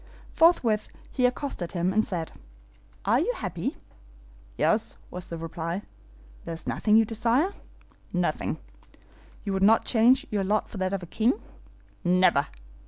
Forthwith he accosted him, and said, 'Are you happy?' 'Yes,' was the reply. 'There is nothing you desire?' 'Nothing.' 'You would not change your lot for that of a king?' 'Never!